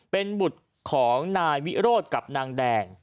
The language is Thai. เป็นบุตรของนายวิโรธกับนางแดง